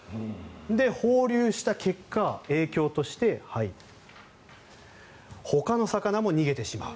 放流した結果、影響としてほかの魚も逃げてしまう。